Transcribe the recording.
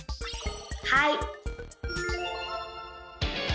はい！